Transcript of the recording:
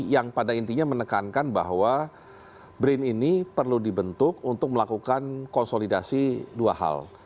yang pada intinya menekankan bahwa brin ini perlu dibentuk untuk melakukan konsolidasi dua hal